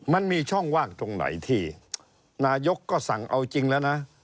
มันมีช่องว่างตรงไหนที่นายกก็สั่งเอาจริงแล้วนะ